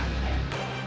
untuk menjaga rai